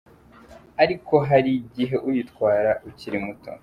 Ariko hari igihe uyitwara ukiri muto,.